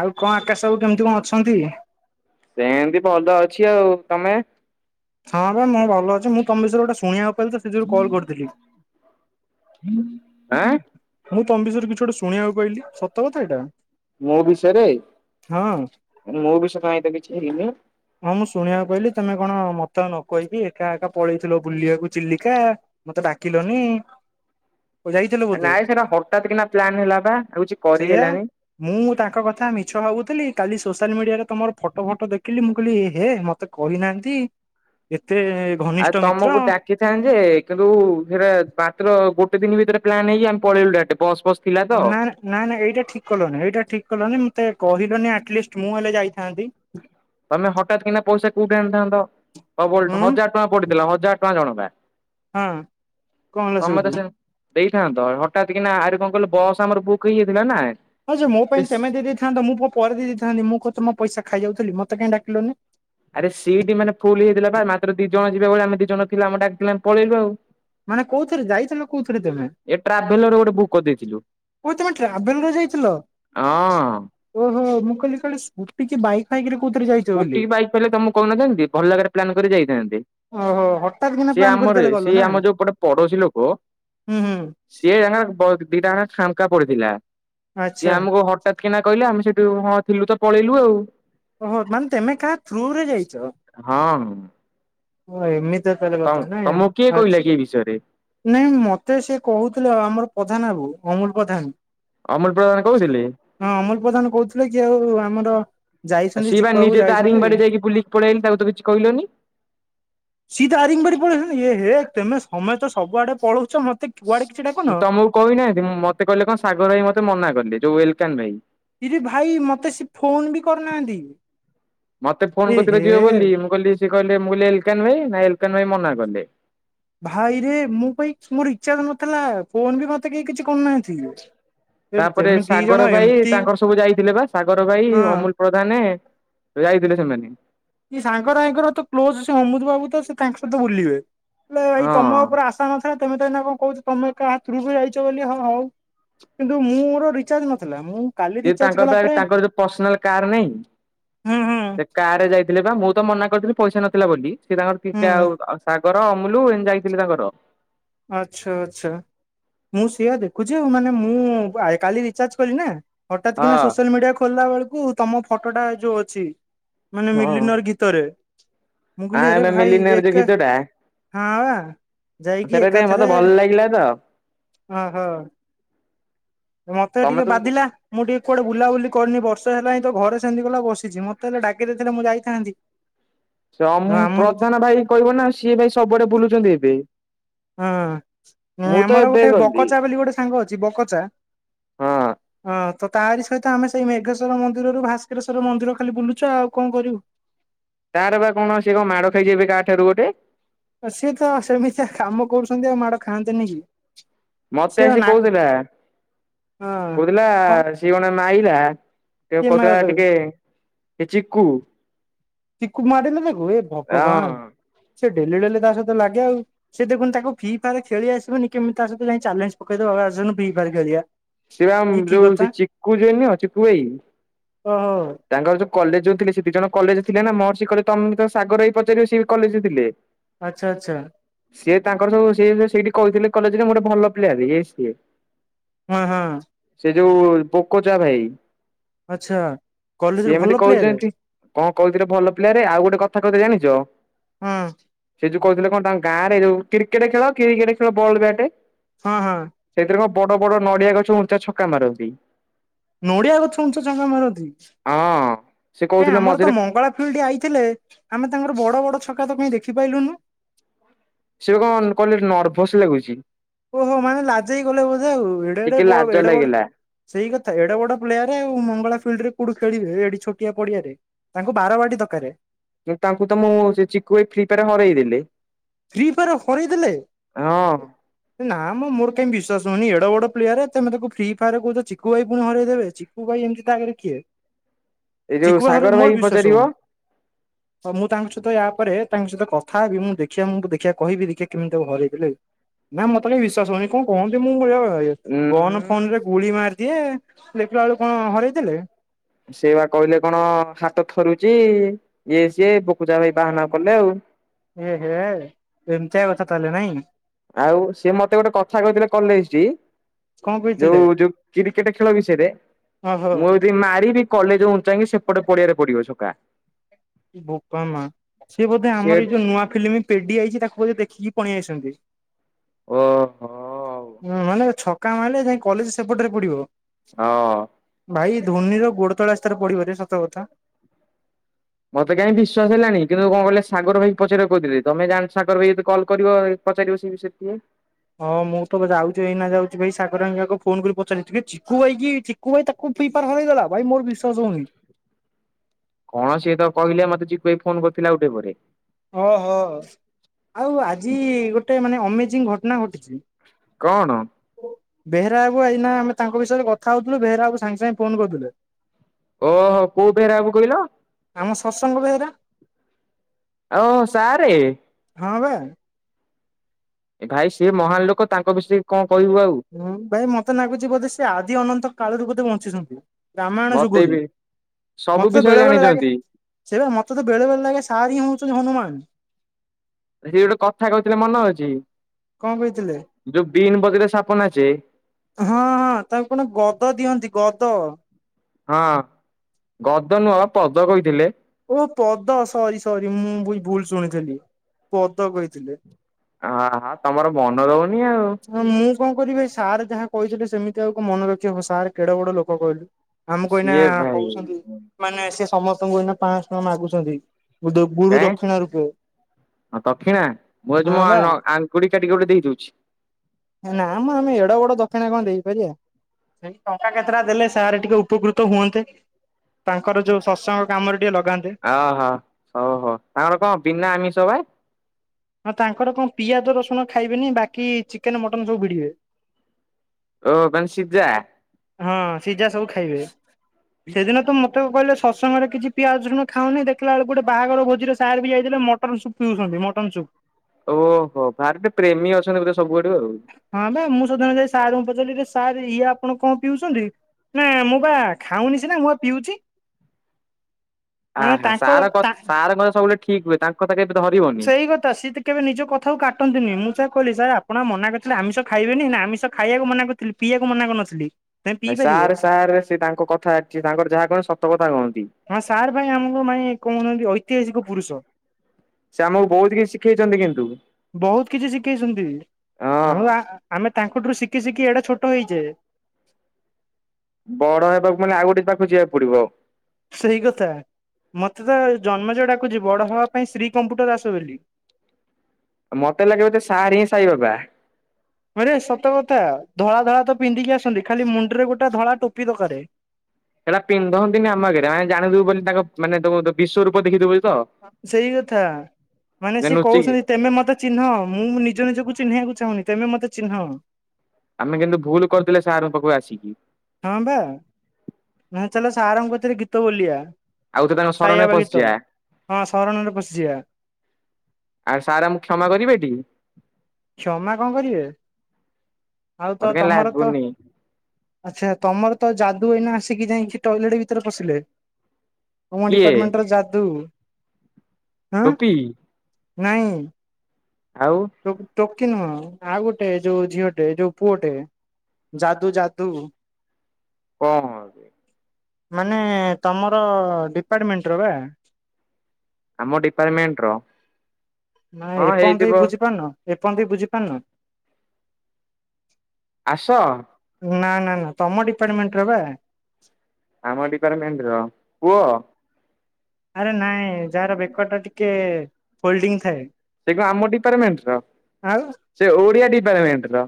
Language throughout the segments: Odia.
ଆଉ କଣ ଆକାଶ ବାବୁ କେମିତି କଣ ଅଛନ୍ତି? ସେନ୍ତି ଭଲ ଅଛି ଆଉ ତମେ? ହଁ ପା ମୁଁ ଭଲ ଅଛି ମୁଁ ତମ ବିଷୟରେ ଗୋଟେ ଶୁଣିବାକୁ ପାଇଲି ତ ସେ ଯୋଗୁ କଲ୍ କରିଥିଲି। ଆଁ? ମୁଁ ତମ ବିଷୟରେ କିଛି ଗଟେ ଶୁଣିବାକୁ ପାଇଲି? ସତ କଥା ଏଇଟା? ମୋ ବିଷୟରେ ହଁ ମୋ ବିଷୟରେ କାଇଁ ତ କିଛି ହେଇନି। ହଁ ମୁଁ ଶୁଣିବାକୁ ପାଇଲି ତମେ କଣ ମତ ନ କହିବି ଏକା ଏକା ପଳେଇଥିଲ ବୁଲିବାକୁ ଚିଲିକା। ମତେ ଡାକିଲନି ଓ ଯାଇଥିଲ ବୋଧେ ନାଇଁ ସେଟା ହଠାତ କିନା ପ୍ଲାନ ହେଲା ପା ଆଉ କିଛି କରି ସେଇଆ। ହେଲାନି। ମୁଁ ତାଙ୍କ କଥା ମିଛ ଭାବୁଥିଲି କାଲି ସୋସିଆଲ ମିଡିଆରେ ତମର ଫଟୋ ଫଟୋ ଦେଖିଲି ମୁଁ ମୁଁ କହିଲି ଏହେ ମତେ କହିନାହାନ୍ତି ଏତେ ଆଉ ଘନିଷ୍ଠ ମିତ୍ର। ତମକୁ ଡା କି ହେଇଥାନ୍ତା ଯେ କିନ୍ତୁ ହେଟା ମାତ୍ର ଗୋଟେ ଦିନ ଭିତରେ ପ୍ଲାନ୍ ହେଇକି ଆମେ ପଳେଇଲୁ ଡାଇରେକ୍ଟ ବସ୍ ଫସ୍ ଥିଲା ତ ନାଁ ନାଇଁ ନା ଏଇଟା ଠିକ କଲନି ଏଇଟା ଠିକ କଲନି ମତେ କହିଲନି ଆଟଲିଷ୍ଟ ମୁଁ ହେଲେ ଯାଇଥାନ୍ତି। ତମେ ହଠତ୍ କିନା ପଇସା କୋଉଠି ଆଣିଥାନ୍ତ ଡବଲ ହୁଁ ହଜାର ଟଙ୍କା ପଡିଥିଲା ହଜାର ଟଙ୍କା ଜଣକା ହଁ କଣ ହେଲା ସେଇଠୁ? ସମତେ ସି ଦେଇଥାନ୍ତ ହଠାତ୍ କି ନା ଆଡେ କଣ କହିଲ ବସ୍ ଆମର ବୁକ୍ ହେଇଯାଇଥିଲା ନା ହଁ ଯେ ମୋ ପାଇଁ ତେମେ ଦେଇ ଦେଇଥାନ୍ତ ମୁଁ ପ ପରେ ଦେଇ ଦେଇଥାନ୍ତି ମୁଁ କଁ ତମ ପଇସା ଖାଇ ଯାଉଥିଲି ମତେ କାଇଁ ଡାକିଲନି। ଆରେ ସିଟ୍ ମାନେ ଫୁଲ ହେଇ ଯାଇଥିଲା ବା ମାତ୍ର ଦି ଜଣ ଯିବା ଭଳି ଆମେ ଦି ଜଣ ଥିଲୁ ଆମକୁ ଡ଼ାକିଥିଲେ ଆମେ ପଳେଇଲୁ ଆଉ। ମାନେ କୋଉଥିରେ ଯାଇଥିଲ କୋଉଥିରେ ତମେ? ଏ ଟ୍ରାଭେଲର ରୁ ଗୋଟେ ବୁକ୍ କରିଦେଇଥିଲୁ। ଓହ ତମେ ଟ୍ରାଭେଲର ରେ ଯାଇଥିଲ ହଁ। ଓହୋ ମୁଁ କହିଲି କାଳେ ସ୍କୁଟି କି ବାଇକ୍ ବାଇକ୍ ରେ କୋଉଥିରେ ଯାଇଛ ସ୍କୁଟି ବୋଲି। କି ବାଇକ୍ ହେଲେ ତମକୁ କହିନଥାନ୍ତି ଭଲ ଜାଗାରେ ପ୍ଲାନ୍ କରି ଯାଇଥାନ୍ତେ। ଓହୋ ହଠାତ୍ କିନା ସିଏ ପ୍ଲାନ୍ କରି ଆମରେ ତାହେଲେ ଗଲ ସିଏ ନା ଆମ ଯୋଉ ଗୋଟେ ପଡୋଶୀ ଲୋକ ହୁଁ ହୁଁ ସିଏ ହାଁ ବ ଆମର ଦିଟା ହାଁ ଫାଙ୍କା ପଡିଥିଲା ସିଏ ଆଚ୍ଛା। ଆମକୁ ହ ହଠାତ୍ କିିନା କହିଲେ ଆମେ ସେଠୁ ହଁ ଥିଲୁ ତ ପଳେଇଲୁ ଆଉ। ଓହୋ ମାନେ ତେମେ କାହା ଥ୍ରୁ ରେ ଯାଇଚ? ହଁ। ଓହ ଏମିତି ଆତ ଆ ତମ ତମକୁ କିଏ କହିଲା କି ଏ ବିଷୟରେ? ନାଇଁ ମତେ ସେ କହୁଥିଲେ ଆମର ପଧାନ ବାବୁ ଅମୁଲ ପଧାନ। ଅମୁଲ ପ୍ରଆନ କହିଁଥିଲେ? ହଁ ଅମୁଲ ପ୍ରଧାନ କହୁଥିଲେ କି ଆଉ ଆମର ଆ ଯାଇଛନ୍ତି ସିଏ ବା ଚିକୁବାବୁ ନିଜେ ଦାରିଙ୍ଗ ଯାଇଛନ୍ତି ବାଡି ଯାଇକି ବୁଲିକି ପଳେଇ ଆଇଲ ତାକୁ ତ କିଛି କହିଲନି? ସିଏ ଦାରିଙ୍ଗବାଡି ପଳେଇଆଇଲେଣି ଏ ହେ ତେମେ ସମସ୍ତେ ସବୁଆଡେ ପଳଉଚ ମତେ କୁଆଡେ କିଛି ଡାକୁନ। ଏ ତମକୁ କହିନାହାନ୍ତି ମତେ କହିଲେ କଁ ସାଗର ଭାଇ ମତେ ମନା କଲେ ଯୋଉ ୱଲକ୍ୟନ୍ ପାଇଁ। ଇରେ ଭାଇ ମତେ ସେ ଫୋନ ବି କରନାହାନ୍ତି। ମତେ ଫୋନ କରିଥିଲେ ଯିବେ ବୋଲି ମୁଁ କହିଲି ସେ କହିଲେ ମୁଁ କହିଲି ଏଲକାନ ଭାଇ ନା ଏଲକାନ ଭାଇ ମନା କଲେ। ଭାଇରେ ମୋ ପାଇଁ ମୋର ଇଚାଜ୍ ନଥିଲା ଫୋନ ବି ମତେ କେହି କିଛି କରିନାଆନ୍ତି। ତାପରେ ସାଗର ଭାଇ ତାଙ୍କର ସବୁ ଯାଇଥିଲେ ବା ସାଗର ଭାଇ ହଁ ଅମୁଲ ପ୍ରଧାନ ଯାଇଥିଲେ ସେମାନେ। ଇ ସାଗରଭାଇଙ୍କର ତ କ୍ଲୋଜ ସେ ଅମୁଦ ବାବୁ ତ ସେ ତାଙ୍କ ସହିତ ବୁଲିବେ। ଲେ ଏଇ ହଁ ତମ ଉପରେ ଆଶା ନଥିଲା ତେମେ ତ ଏଇନା କଁ କହୁଚ ତମେ କାହା ଥ୍ରୁ ରେ ଯାଇଚ ବୋଲି ହଁ ହଉ। କିନ୍ତୁ ମୁଁ ମୋର ରିଚାର୍ଜ ନଥିଲା ମୁଁ କାଲି ସିଏ ରିଚାର୍ଜ ତାଙ୍କର କଲା ତାହେଲେ ପରେ ତାଙ୍କର ଯୋଉ ପର୍ସନାଲ କାର ନାଇଁ ହୁଁ ହୁଁ ସେ କାର୍ ରେ ଯାଇଥିଲେ ବା ମୁଁ ତ ମନା କରିଥିଲି ପଇସା ନଥିଲା ବୋଲି ସିଏ ତାଙ୍କର ଟିକେ ହୁଁ ଆଉ ସାଗର ଅମୁଲୁ ଏମ ଯାଇଥିଲେ ତାଙ୍କର। ଆଛା ଆଛା। ମୁଁ ସିଆ ଦେଖୁଛି ଆଉ ମାନେ ମୁଁ ଆଏ କାଲି ରିଚାର୍ଜ କଲି ନା। ହଠାତ୍ ହଁ କିନା ସୋସିଆଲ ମିଡିଆ ଖୋଲିଲା ବେଳକୁ ତମ ଫଟୋଟା ଯୋଉ ଅଛି ମାନେ ହଁ ମିଲେନର ଗୀ ତରେ ମୁଗଲି ଏରେ ଆମେ ଭାଇ ମିଲିନିୟର ଯୋଉ ଏକା ଗୀତ ଟା ହଁବା ଯାଇକି ଏ ସେଟା ଟିକେ କାଥରେ ମତେ ଭଲ ଲାଗିଲା ତ ଓହୋ ମତେ ତମେ ଟିକେ ତ ବାଧିଲ ଆ ମୁଁ ଟିକେ କୁଆଡ଼େ ବୁଲାବୁଲି କରିନି ବର୍ଷେ ହେଲାଇଁ ହିଁ ତ ଘରେ ସେମିତି ହେଲା ଗଲା ବସିଚି ମତେ ହେଲେ ଡାକି ଦେଇ ଥିଲେ ମୁଁ ଯାଇଥାନ୍ତି। ସେ ହଁ ଅମୁ ଆମର ପ୍ରଧାନ ଭାଇ କହିବ ନା ସିଏ ଭାଇ ସବୁଆଡେ ବୁଲୁଚନ୍ତି ଏବେ। ହଁ ମୁଁ ତ ଆମର ଏବେ ଗୋଟେ ଗଲି। ବକଚା ବୋଲି ଗୋଟେ ସାଙ୍ଗ ଅଛି ବକଚା ହଁ ହଁ। ହଁ ତ ତାରି ସହିତ ଆମେ ସେଇ ମେଘେଶ୍ଵର ମନ୍ଦିରରୁ ଭାସ୍କରେଶ୍ଵର ମନ୍ଦିର ଖାଲି ବୁଲୁଛ ଆଉ କଁ କରିବୁ? ତାର ବା କଣ ସେ କଣ ମାଡ଼ ଖାଇଛି ଏବେ କାହା ଠାରୁ ଗୋଟେ? ଆ ସେତ ସେମିତିଆ କାମ କରୁଛନ୍ତି ଆଉ ମାଡ ଖାଆନ୍ତେନିକି। ମତେ ଆସି କହୁଥିଲା ହଁ କୋଡେ ହେଲା କଣ ସିଏ କଣ ମାଇଲା ସେ କିଏ ମାଇଲା କହୁଥିଲା ତାକୁ ଟିକେ ଏତ ଚିକୁୁ। ଚକୁ ମାଡିଲେ ତାକୁ ଏ ହଁ ଭଗବାନ ସେ ଡେଲି ଡେଲି ତା ସହିତ ଲାଗେ ଆଉ। ସେ ଦେଖୁନୁ ତାକୁ ଫି ଫାୟାର୍ ଖେଳି ଆସିବନି କେମୀତି ତା ସହିତ ଯାଇ ଚାଲେ୍ଞ୍ଜ ପକେଇଦବ ଆସୁନୁ ଫି ଫାୟାର୍ ଖେଳିବା। ସେବା ଇଏ କି ଯୋଉ କଥା ସେ ଚିକୁ ଜଉ ନୁହଁ ଚିକୁ ଭାଇ ଓହୋ ତାଙ୍କର ଯୋଉ କଲେଜ ଯଉ ଥିଲେ ସେ ଦି ଜଣ କଲେଜ ଥିଲେ ନା ମରସି କଲେ ତମେ ବିତ ସାଗର ହାଇ ପାଚାରିବ ସେବି କଲେଜରେ ଥିଲେ। ଆଛା ଆଛା। ସିଏ ତାଙ୍କର ସବୁ ସେ ସେଇଠି କହିଥିଲେ କଲେଜରେ ମୁଁ ଗୋଟେ ଭଲ ପ୍ଲେୟାର ଇଏ ସିଏ। ମୋଏ ହଁ। ସେ ଯୋଉ ପୋକଚା ଭାଇ ଆଛା। ସିଏ ଏମିତି କହୁଚନ୍ତି କଁ କହିଥିଲେ ଭଲ ପ୍ଲେୟାର ଆଉ ଗୋଟେ କଥା କଦି ଜାଣିଚ? ହୁଁ ସେ ଯୋଉ କୋହୁଥିଲେ କଣ ତାଙ୍କ ଗାଁ ରେ ଯୋଉ କ୍ରିକେଟ୍ ଖେଳ କି କେଟ ଖେଳ ବଲ ବ୍ୟାଟ୍ ହଁ ହଁ। ସେଥିରେ କଁ ବଡ଼ ବଡ଼ ନଡ଼ିଆ ଗଛ ଉଁଚା ଛକା ମାରନ୍ତି। ନଡ଼ିଆ ଗଛ ଉଞ୍ଚା ଛକା ମାରନ୍ତି ହଁ ସେ କାଇଁ କହୁଥିଲେ ଆମର ମଝିରେ ତ ମଙ୍ଗଳା ହୁଲ୍ ଟି ଆଇଥିଲେ ଆମେ ତାଙ୍କର ବଡ଼ ବଡ଼ ଛକା ତ କାଇଁ ଦେଖିପାଇଲୁନୁ? ସେ କ କଲେ ନର୍ଭସ ଲାଗୁଚି। ଓହୋ ମାନେ ଲାଜେଇ ଗଲେ ବୋଧେ ଆଉ, ଏଡ଼େ ଏଡ଼େ ଟିକେ ଫଲ, ଲାଜ ଏଡ଼େ ବଡ଼। ଲାଗିଲା ସେଇ କଥା, ଏଡ଼େ ବଡ଼ ପ୍ଲେୟାର ଆଉ ମଙ୍ଗଳା ସାଇଡ଼ ରେ କୋଉଠି ଖେଳିବେ? ଏଡ଼ି ଛୋଟିଆ ପଡ଼ିଆରେ। ତାଙ୍କୁ ବାରବାଟୀ ଦରକାରେ। କିନ୍ତୁ ତାଙ୍କୁ ତ ମୁଁ ସେ ଚିକୁ ଏ ଫ୍ରି ପା ରେ ହରେଇଦେଲି। Free fire ହରେଇଦେଲେ? ହଁ ନାଁ ମ ମୋର୍ କାଇଁ ବିଶ୍ୱାସ ହୋଉନି। ଏଡ଼େ ବଡ଼ ପ୍ଲେ ୟାର ତମେ ତାକୁ ଫ୍ଲି ଫାୟାର୍ କୋହୁଚ ଚିକୁ ଭାଇ ପୁଣି ହରେଇଦେବେ ଚି ଶୁ ଭାଇ ଏମିତି ତା ଆଗରେ କିଏ? ଏଇ ଯୋଉ ଚିକୁ ବାହରେ ସାଗର ଭାଇ ମୋର କି ବିଶ୍ୱାସ ପଚାରିବ ହୋଉନି। ହଉ ମୁଁ ତାଙ୍କ ସହିତ ୟା ପରେ ତାଙ୍କ ସହିତ କଥା ହେବି, ମୁଁ ଦେଖି ଦେଖିଆ ମୁଁ ତ ଦେଖିଆ କହିବି ଦେଖିଆ କେମିତି ତାକୁ ହରେଇଦେଲେ ଆଉ, ମ୍ୟାମ୍ ମତେ କାଇଁ ବିଶ୍ୱାସ ହୋଉନି, କଣ କହନ୍ତି ନି, ମୁଁ ବେ ଉଁ ଗନ୍ ଫନ୍ ରେ ଗୁଳି ମାରିଦିଏ, ଦେଖିଲା ବେଳକୁ କଣ ହରେଇଦେଲେ? ସେ ବା କହିଲେ କଣ ହାତ ଥରୁଛି ଇଏ ସିଏ, ବକୁଚା ଭାଇ ବାହାନା କଲେ ଆଉ। ଏ ହେ ଏମତିଆ କଥା ତାହେଲେ ନାଇଁ। ଆଉ ସେ ମତେ ଗୋଟେ କଥା କହିଥିଲେ କଲେଜ୍ ଟି କଣ କହିଥିଲେ ଯୋଉ ଯୋଉ କ୍ରିକେଟ ଖେଳ ବିଷୟରେ, ଓହୋ ମୁ ଦି ମାରିବି କଲେଜ ଉଁଚାଇକି ସେପଟ ପଡ଼ିଆରେ ପଡ଼ିବ ଶୁକା। ବୋପା ମା, ସିଏ ବୋଧେ ସେ ଆମରି ଏଇ ଯୋଉ ନୁଆ ଫିଲିମି ପେଡ଼ି ଆଇଛି ତାକୁ ବୋଧେ ଦେଖିକି ପଳେଇ ଆଇଚନ୍ତି। ଓହୋ ହଁ ମାନେ ଛ କା ମାଇଲେ ଯାଇଁ କଲେଜ ସେପଟ ରେ ପଡ଼ିବ। ହଁ ଅଁ ଭାଇ ଧୋନି ର ଗୋଡ଼ ତଳେ ଆସି ଥରେ ପଡ଼ିବରେ ସତକଥା। ମୋତେ କାହିଁ ବିଶ୍ୱାସ ହେଲାଣି କିନ୍ତୁ କଣ କହିଲେ ସାଗର ଭାଇ ପଚାରିବ କୋହୁଥିଲି ତମେ ଜାଣି ସାଙ୍ଗ ଭି ଯଦି କଲ୍ କରିବ ପଚାରିବ ସେଇ ବିଷୟରେ ଟିକେ। ହଁ ମୁଁ ତ ଯାଉଛି ଏଇନା ଯାଉଛି ଭାଇ ସାଗର ହେଁଇକା କୁ ଫୋନ୍ କରି ପଚାରେ ଟିକେ ଚି ଠିକୁ ଭାଇ କି, ଚିକୁ ଭାଇ ତାକୁ ପିଇପାର ହରେଇ ଦେଲା ଭାଇ ମୋର୍ ବିଶ୍ୱାସ ହୋଉନି। କଣ ସିଏ ତ କହିଲେ, ମତେ ଚିକୁ ଭାଇ ଫୋନ୍ କରିଥିଲେ, ଆଉଟିକେପରେ। ଓ ହୋ, ଆଉ ଆଜି ଗୋଟେ ମାନେ ଅମେଜିଙ୍ଗ ଘଟଣା ଘଟିଚି। କଅଣ? ବେହେରା ବାବୁ ଏଇନା ଆମେ ତାଙ୍କ ବିଷୟରେ କଥା ହୋଉଥିଲୁ, ବେହେରା ବାବୁ ସାଙ୍ଗେ ସାଙ୍ଗେ ଫୋନ୍ କରୁଥିଲେ। ଓ ହୋ କୋଉ ବେହେରା ବାବୁ କହିଲ? ଆମ ସସଙ୍ଗ ବେହେରା ଆଓ ସାରେ ହଁ ଭା ଏ ଭାଇ ସିଏ ମହାନ୍ ଲୋକ ତାଙ୍କ ବିଷୟରେ କଣ କହିବୁ ଆଉ। ହୁଁ, ଭାଇ ମତେ ନାଗୁଛି ବୋଧେ ସେ ଆଦି ଅନନ୍ତ କାଳରୁ ବୋଧେ ବଞ୍ଚିଛନ୍ତି। ରାମାୟଣ ମତେ ଯୁଗରୁ, ବି ସବୁ ମତେ ବିଷୟ ବେଳେ ବେଳେ ଲାଗେ। ଜାଣିଛନ୍ତି। ସେ ମତେ ତ ବେଳେ ବେଳେ ଲାଗେ ସାର୍ ହିଁ ହଉଛନ୍ତି ହନୁମାନ୍। ସେ ଗୋଟେ କଥା କହୁଥିଲେ ମନେ ଅଛି, କଣ କହିଥିଲେ ଯୋଉ ବିନ୍ ବଜେଇଲେ ସାପ ନାଚେ। ହଁ ହଁ ତାଙ୍କୁ କଣ ଗଦ ଦିଅନ୍ତି ଗଦ। ହଁ ଗଦ ନୁଅ ପଦ କହିଥିଲେ। ଓ ପଦ ସରି ସରି ମୁଁ ଭୁଇ ଭୁଲ୍ ଶୁଣିଥିଲି ପଦ କହିଥିଲେ। ଅ ହ ତମର ମନ ରହୁନି ଆଉ। ହଁ ମୁଁ କଣ କରିବି ଏ ସାର୍ ଯାହା କହିଥିଲେ। ସେମିତି ଆଉ ମନେ ରଖିହବ ସାର୍ କେଡ ବଡ ଲୋକ କହିଲୁ। ଆମକୁ ଏଇନା ସିଏ ଭାଇ କହୁଛନ୍ତି, ମାନେ ସେ ସମସ୍ତଙ୍କୁ ଏଇନା ପାଂସ ଟଙ୍କା ମାଗୁଛନ୍ତି। ଗୁରୁ ଦକ୍ଷିଣା ରୂପେ କାଁ ଦକ୍ଷିଣା? ମୁଁ ଆଜି ହଁ ମ ବା ଆଙ୍ଗୁଡି କାଟିକି ଗୋଟେ ଦେଇ ଦଉଛି। ନାମ ଆମେ ଏଡ ବଡ ଦକ୍ଷିଣା କଣ ଦେଇପାରିବା? ସେଇ ଟଙ୍କା କେତେଟା ଦେଲେ ସାର୍ ଟିକେ ଉପକୃତ ହୁଅନ୍ତେ। ତାଙ୍କର ଯୋଉ ସତ୍ସଙ୍ଗ କାମରେ ଟିକେ ଲଗାନ୍ତେ। ଓହୋ ହଉ ହଉ ତାଙ୍କର କଣ ବିନା ଆମିଷ ବା? ହଁ ତାଙ୍କର କଣ ପିଆଜ ରସୁଣ ଖାଇବେନି, ବାକି ଚିକେନ ମଟନ ସବୁ ଭିଡିବେ। ଓ ହ ମାନେ ସିଜା। ହଁ ସିଝା ସବୁ ଖାଇବେ ସେଦିନ ତ ମ ତେ କହିଲେ ସତ୍ସଙ୍ଗରେ କିଛି ପିଆଜ ରସୁଣ ଖାଉନି, ଦେଖିଲା ବେଳୁ ଗୋଟେ ବାହାଘର ଭୋଜିରେ ସାର ବି ଯାଇଥିଲେ ମ ଟନ୍ ସୁପ ପିଉଛନ୍ତି ମଟନ୍ ସୁୁପ। ଓହୋ ସାରେ ଟିକେ ପ୍ରେମୀ ଅଛନ୍ତି ବୋଧେ ସବୁଆଡୁ ଆଉ। ହଁ ବା ମୁଁ ସେଦିନ ଯାଇ ସାରଙ୍କୁ ପଚାରିଲି ଇରେ ସାର୍ ଇଏ ଆପଣ କଣ ପିଉଛନ୍ତି? ନା ମୁଁ ବା ଖାଉନି ସିନା ମୁଁ ବା ପିଉଛି। ଆ ମାନେ ହା ତାଙ୍କ ସାର କ ତା ସାରଙ୍କ କଥା ସବୁବେଳେ ଠିକ ହୁଏ, ତାଙ୍କ କଥା କେବେ ଧରିବ ସେଇ କଥା ସିଏ ତ କେବେ ନିଜ କଥାକୁ କାଟନ୍ତିନି ମୁଁ ସେଇଆ କହିଲି ସାର୍ ଆପଣ ବା ମନା କରିଥିଲେ ଆମିଷ ଖାଇବେନି ନା ଆମିଷ ଖାଇବାକୁ ମନା କରିଥିଲି ପିଆକୁ ମନା କରିନଥିଲି। ତମେ ପିଇ ଭାଇ ପାରିବ ସାର୍ ସାର୍ ସେ ତାଙ୍କ କଥା ସିଏ ତାଙ୍କର ଯାହା କହନ୍ତି ସତ କଥା କହନ୍ତି। ହଁ ସାର୍ ଭାଇ ଆମକୁ ମାଇଁ କହୁନାହନ୍ତି ଐତିହାସିକ ପୁରୁଷ। ସେ ଆମକୁ ବହୁତ କିଛି ଶିଖେଇଛନ୍ତି କିନ୍ତୁ ବହୁତ କିଛି ଶିଖେଇଛନ୍ତି ହଁ ଆଉ ଆ ଆମେ ତାଙ୍କ ଠାରୁ ଶିଖି ଶିଖି ଏଡେ ଛୋଟ ହେଇଛେ। ବଡ ହେବାକୁ ମାନେ ଆଉ ଗୋଟେ ପାଖକୁ ଯିବାକୁ ପଡିବ! ସେଇ କଥା ମତେ ତ ଜନ୍ମଜୟ ଡାକୁଛି ବଡ ହବା ପାଇଁ ଶ୍ରୀ କମ୍ପୁଟର ଆସ ବୋଲି। ଆ ମତେ ଲାଗେ ବଧେ ସାର ହିଁ ସାଇ ବାବା। ହଁ ରେ ସତ କଥା ଧଳା ଧଳା ତ ପିନ୍ଧିକି ଆସନ୍ତି। ଖାଲି ମୁଣ୍ଡରେ ଗୋଟେ ଧଳା ଟୋପି ଦକାରେ। ସେଇଟା ପିନ୍ଧନ୍ତିନି ଆମ ଆଗରେ ଆମେ ଜାଣିିଦବୁ ବୋଲି ତାଙ୍କ ମାନେ ତାକୁ ବିଶ୍ୱରୂପ ଦେଖିଦବୁ ବୋଲି ତ ସେଇ କଥା ମାନେ ସିଏ ନୁଚିକି କହୁସନ୍ତି ତେମେ ମତେ ଚିହ୍ନ, ମୁଁ ନିଜ ନିଜକୁ ଚିହ୍ନିବାକୁ ଚାହୁଁନି ତେମେ ମତେ ଚିହ୍ନ। ଆମେ କିନ୍ତୁ ଭୁଲ କରିଦେଲେ ସାରଙ୍କ ପାଖକୁ ଆସିକି। ହଁ ବା ନ ହେଲେ ଚାଲ ସାର୍ ଙ୍କ କତିରେ ଗୀତ ବୋଲିବା। ଆଉ ତ ତାଙ୍କ ଶରଣରେ ସାଇବାବା ଗୀତ ପଶିଯିବା। ହଁ ସରଣରେ ପଶିଯିବା। ଆଉ ସାର୍ ଆମକୁ କ୍ଷମା କରିବେ ଟି? କ୍ଷମା କଣ କରିବେ, ଆଉ ମତେ ତ କାହିଁ ତମର ତ ଲାଗୁନି ଆଚ୍ଛା ତମର ତ ଯାଦୁ ଏଇନା ଆସିକି ଯାଇଁକି ଟଏଲେଟ ଭିତରେ ପଶିଲେ। ତୁମ କିଏ ଡିପାର୍ଟମେଣ୍ଟର ଯାଦୁ ହଁ ଟୋପି ନାଇଁ ଆଉ ଟୋ ଟୋକି ନୁହଁ, ଆଉ ଗୋଟେ ଯୋଉ ଝିଅଟେ ଯୋଉ ପୁଅଟେ ଯାଦୁ ଯାଦୁ। ହଁ ହଁ। ମାନେ ତମର ଡିପାର୍ଟମେଣ୍ଟ ର ବା। ଆମ ଡିପାର୍ଟମେଣ୍ଟ ର? ନାଇଁ ହଁ ଏପର୍ଯ୍ୟନ୍ତ ହେଇଥିବ ବି ବୁଝିପାରୁନ ଏପର୍ଯ୍ୟନ୍ତ ବି ବୁଝି ପାରୁନ? ଆସ ନା ନା ନା ତମ ଡିପାର୍ଟମେଣ୍ଟ ର ବା। ଆମ ଡିପାର୍ଟମେଣ୍ଟ ର ପୁଅ ଆରେ ନାଇଁ ଯାହାର ବେକ ଟା ଟିକେ ଫୋଲଡିଙ୍ଗ ଥାଏ ସେ କଣ ଆମ ଡିପାର୍ଟମେଣ୍ଟ ର ଆଉ ସେ ଓଡ଼ିଆ ଡିପାର୍ଟମେଣ୍ଟର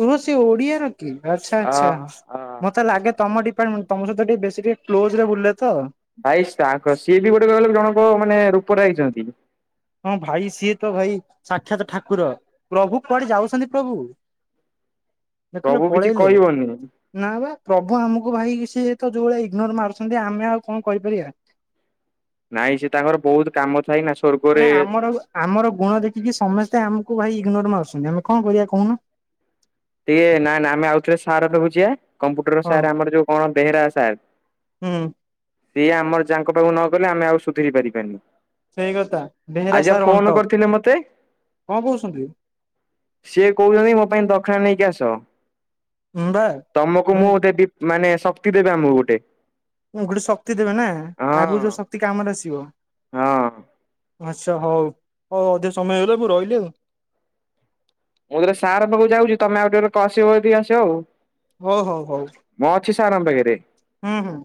କୁହ ସେ ଓଡିଆର କି ଆଚ୍ଛା ଅ ଆଚ୍ଛା? ଅ ମତେ ଲାଗେ ତମ ଡିପାର୍ଟମେଣ୍ଟ ତମ ସହିତ ଟିକେ ବେଶୀ ଟିକେ କ୍ଲୋଜ୍ ରେ ବୁଲେ ତ। ଭାଇ ଷ୍ଟାକ ସିଏ ବି ଗୋଟେ କହିଲ ଜଣଙ୍କ ମାନେ ରୂପରେ ଆ। ହଁ ଭାଇ ସିଏ ତ ଭାଇ ସାକ୍ଷାତ ଠାକୁର ପ୍ରଭୁ କୁଆଡେ ଯାଉଛନ୍ତି ପ୍ରଭୁ? ଦେଖୁଁ ପ୍ରଭୁ କିଛି ପଳେଇଲେ କହିବନି ନା ବା ପ୍ରଭୁ ଆମକୁ ଭାଇ ସିଏ ତ ଯୋଉ ଭଳିଆ ଇଗ୍ନୋର ମାରୁଛନ୍ତି ଆମେ ଆଉ କଣ କହିପାରିବା? ନାଇଁ ସିଏ ତାଙ୍କର ବହୁତ କାମ ଥାଇ ନା! ସ୍ଵର୍ଗରେ ମାନେ ଆମର ଆମର ଗୁଣ ଦେଖିକି ସମସ୍ତେ ଆମକୁ ଭାଇ ଇଗ୍ନୋର ମାରୁଛନ୍ତି ଆମେ କଣ କରିବା କହୁନ? ଟିକେ ନା ନା ଆମେ ଆଉ ଥରେ ସାର୍ ଙ୍କ ପାଖକୁ ଜିବା। କମ୍ପୁଟର ହଁ ସାର୍ ଆମର ଯୋଉ କଣ ବେହେରା ସାର୍। ହୁଁ। ସିଏ ଆମର ଯାହାଙ୍କ ପାଖକୁ ନ ଗଲେ ଆମେ ଆଉ ସୁଧୁରି ପାରିବାନି। ସେଇ କଥା ବେହେରା ଆଜି ଆଉ ସାର୍ ଅଣ୍ଟ ଫୋନ କରିଥିଲେ ମତେ କଣ କୋହୁଚନ୍ତି? ସିଏ କୋହୁଚନ୍ତି ମୋ ପାଇଁ ଦକ୍ଷିଣା ନେଇକି ଆସ। ବା ତମକୁ ମାନେ ମୁଁ ଦେବି ମାନେ ଶକ୍ତି ଦେବେ ଆମକୁ ଗୋଟେ। ଗୋଟେ ଶକ୍ତି ଦେବେ ନା ଆଗକୁ ହଁ ଯୋଉ ଶକ୍ତି କାମରେ ଆସିବ। ହଁ। ଆଚ୍ଛା ହୋଉ ହୋଉ ଅଧିକ ସମୟ ହେଇଗଲା। ମୁଁ ରହିଲି ଆଉ। ମୁଁ ତୋରେ ସାର୍ ପାଖକୁ ଯାଉଚି ତମେ ଆଉ ଟିକେ କ ଆସିବ ଯଦି ଆସିବ ଆଉ। ହୋଉ ହୋଉ ହୋଉ ମୁଁ ଅଛି ସାରଙ୍କ ପାଖରେ ହୁଁ ହୁଁ।